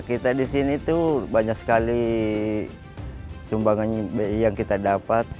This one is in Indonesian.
kita di sini tuh banyak sekali sumbangan yang kita dapat